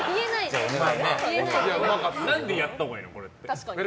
何でやったほうがいいの？